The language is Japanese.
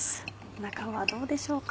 中はどうでしょうか。